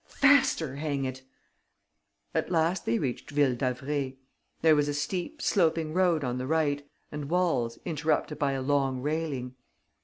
Faster, hang it." At last they reached Ville d'Avray. There was a steep, sloping road on the right and walls interrupted by a long railing.